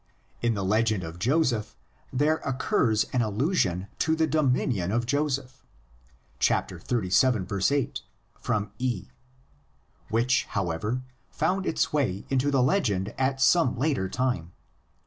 In the legend of Joseph there occurs an allusion to the dominion of Joseph (xxxvii. 8, E), which, however, found its way into the legend at some later time.